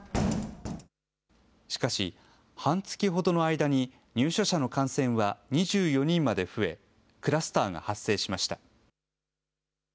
しかし、半月ほどの間に入所者の感染は２４人まで増え、クラスターが発生しました。